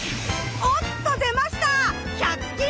おっと出ました